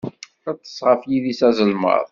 Ṭṭes ɣef yidis azelmaḍ.